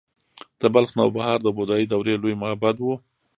د بلخ نوبهار د بودايي دورې لوی معبد و